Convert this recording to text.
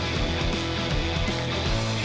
สวัสดีครับ